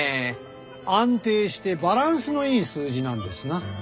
安定してバランスのいい数字なんですな。